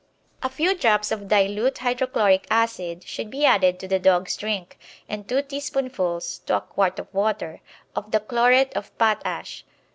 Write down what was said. A few drops of dilute hydrochloric acid should be added to the dog's drink, and two teaspoonfuls (to a quart of water) of the chlorate of potash.